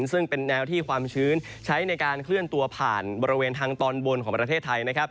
ซึ่งเป็นแนวที่ความชื้นใช้ในการเคลื่อนตัวผ่านบริเวณทางตอนบนของประเทศไทยนะครับ